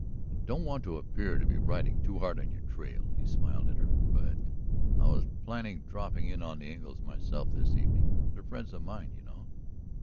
"I don't want to appear to be riding too hard on your trail," he smiled at her. "But I was planning dropping in on the Engles myself this evening. They're friends of mine, you know."